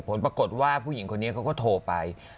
ผลปรากฏว่าผู้หญิงคนนี้เขาก็โทรไป